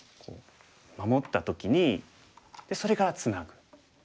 守った時にでそれからツナぐ。